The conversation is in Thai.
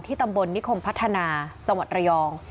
ที่ตำบลนิคมพัฒนาตรยอง